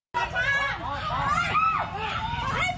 ขยับขยับ